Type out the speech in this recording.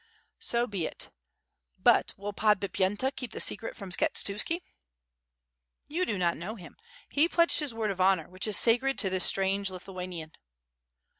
"So be it. But will Podbipyenta keep the secret from Skshetuski?" "You do not know him, he pledged his word of honor, which is sacred to this strange Lithuanian."